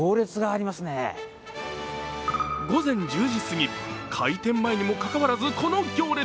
午前１０時すぎ、開店前にもかかわらず、この行列。